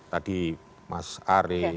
tadi mas ari